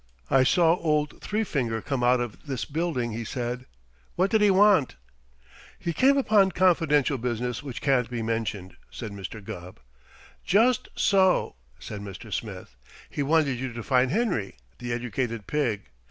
"I saw old Three Finger come out of this building," he said. "What did he want?" "He came upon confidential business which can't be mentioned," said Mr. Gubb. "Just so!" said Mr. Smith. "He wanted you to find Henry, the Educated Pig.